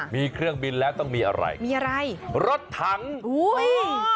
มีเครื่องบินแล้วต้องมีอะไรรถถังโอ้โฮ